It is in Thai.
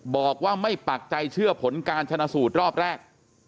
บอกว่าไม่ปักใจเชื่อผลการชนะสูตรรอบแรก